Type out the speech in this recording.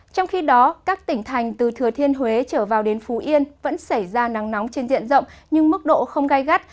trong khi đó các tỉnh thành từ thừa thiên huế trở vào đến phú yên vẫn xảy ra nắng nóng trên diện rộng nhưng mức độ không gai gắt